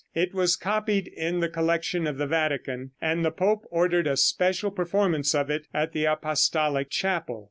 It was copied in the collection of the Vatican, and the pope ordered a special performance of it in the Apostolic chapel.